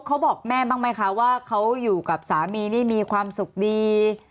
เขาบอกแม่บ้างไหมคะว่าเขาอยู่กับสามีนี่มีความสุขดี